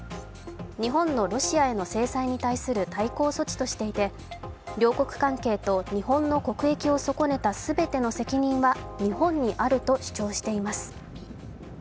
日本のロシアへの制裁に対する対抗措置としていて両国関係と日本の国益を損ねた全ての責任は日本にあると主張しています。